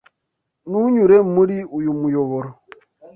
Ntunyure muri uyu muyoboro.